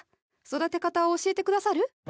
育て方を教えて下さる？